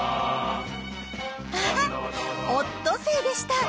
あっオットセイでした。